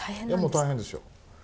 もう大変ですよ。